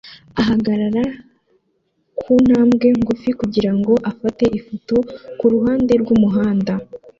ahagarara kuntambwe ngufi kugirango afate ifoto kuruhande rwumuhanda